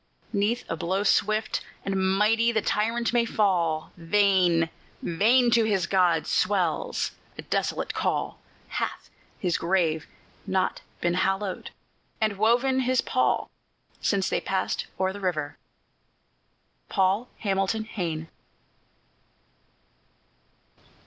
'Neath a blow swift and mighty the tyrant may fall; Vain! vain! to his gods swells a desolate call; Hath his grave not been hollowed, and woven his pall, Since they passed o'er the river? PAUL HAMILTON HAYNE.